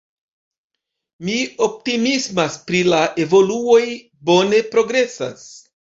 Mi optimismas pri la evoluoj, bone progresas.